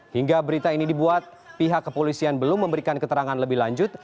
hingga berita ini dibuat pihak kepolisian belum memberikan keterangan lebih lanjut